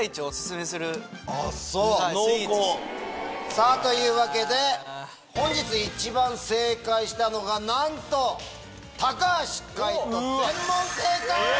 さぁというわけで本日一番正解したのがなんと橋海人！